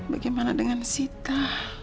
bagaimana dengan sita